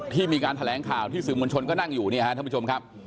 ที่มีการแถลงข่าวที่สื่อมวลชนก็นั่งอยู่เนี่ยฮะท่านผู้ชมครับ